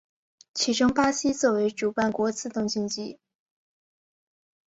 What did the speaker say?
其中巴西作为主办国自动晋级。